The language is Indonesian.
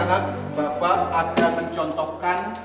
anak bapak akan mencontohkan